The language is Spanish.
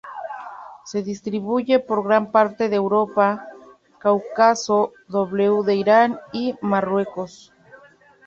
Se distribuye por gran parte de Europa, Cáucaso, W de Irán y Marruecos.